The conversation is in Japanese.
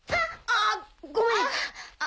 あっごめん！